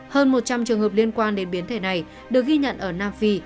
hơn một trăm linh trường hợp liên quan đến biến thể này được ghi nhận ở nam phi